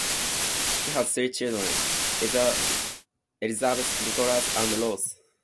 He has three children, Elizabeth, Nicholas and Rose.